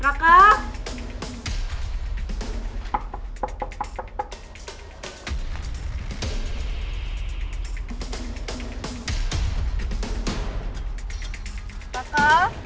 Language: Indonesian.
gua ngerjain dia